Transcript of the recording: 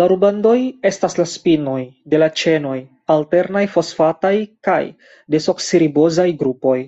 La rubandoj estas la spinoj de la ĉenoj, alternaj fosfataj kaj desoksiribozaj grupoj.